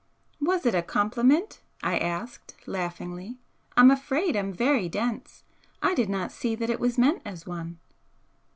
"Was it a compliment?" I asked, laughingly "I'm afraid I'm very dense! I did not see that it was meant as one."